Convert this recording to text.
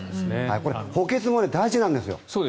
補欠も大事なんですよ。